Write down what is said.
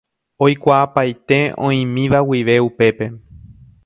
Oikuaapaite oĩmíva guive upépe.